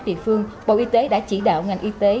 địa phương bộ y tế đã chỉ đạo ngành y tế